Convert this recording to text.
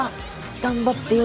頑張ってよ